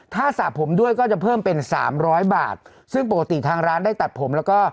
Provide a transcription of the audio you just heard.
ถ้าสระผมด้วยก็จะเพิ่มเป็นสามร้อยบาทซึ่งปกติทางร้านได้ตัดผมแล้วก็